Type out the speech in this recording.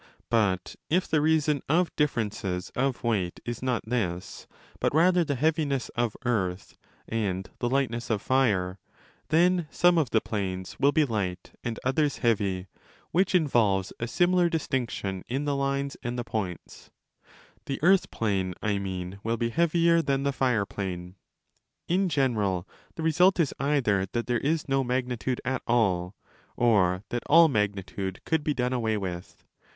® But if the reason of differences of weight is not this, but rather the 5 heaviness of earth and the lightness of fire, then some of the planes will be light and others heavy (which involves a similar distinction in the lines and the points); the earth plane, I mean, will be heavier than the fire plane. In general, the result is either that there is no magnitude at all, or that all magnitude could be done away with.